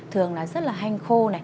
thường rất hành khô